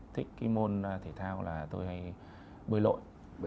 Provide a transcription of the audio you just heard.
thích cái môn thể thao là tôi hay bơi lội